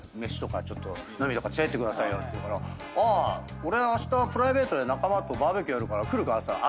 俺あしたプライベートで仲間とバーベキューやるから来るか？